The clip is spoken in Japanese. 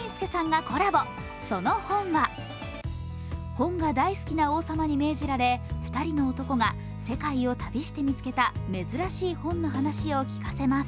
本が大好きな王様に命じられ２人の男が世界を旅して見つけた珍しい本の話を聞かせます。